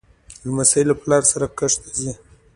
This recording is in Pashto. لمسی له پلار سره کښت ته ځي.